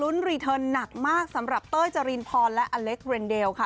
รอลุ้นการโรคกันมากสำหรับเต้ยจรินพรและอเล็กเรนเดลค่ะ